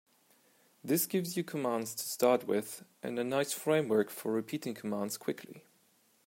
This gives you commands to start with and a nice framework for repeating commands quickly.